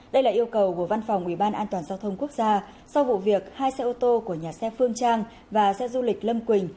đây là yêu cầu của văn phòng ubnd giao thông quốc gia sau vụ việc hai xe ô tô của nhà xe phương trang và xe du lịch lâm quỳnh